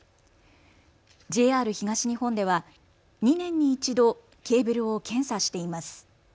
ＪＲ東日本では２年に１度、ケーブルを検査しています。